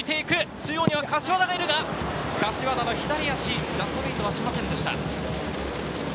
中央には柏田がいるが、柏田の左足、ジャストミートはしませんでした。